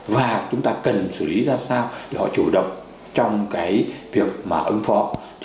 và chúng ta cần xử lý ra sao để họ chủ động trong cái việc mà ứng phó